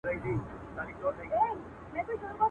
پلمې مه جوړوه جنګ ته مخ به څوک په مړونډ پټ کړي؟.